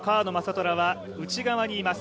虎は内側にいます。